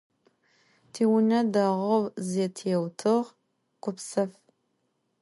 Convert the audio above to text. Tiune değou zetêutığ, gupsef.